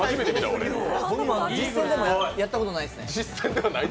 僕も実際でもやったことないですね。